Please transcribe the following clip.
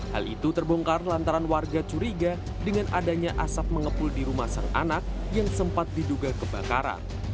hal itu terbongkar lantaran warga curiga dengan adanya asap mengepul di rumah sang anak yang sempat diduga kebakaran